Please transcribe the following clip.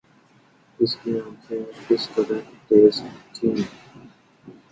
اس کی آنکھیں کس قدر تیز تھیں